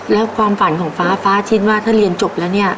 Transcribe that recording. แล้วความฝันของฟ้าฟ้าชินว่าถ้าเรียนจบแล้วเนี่ย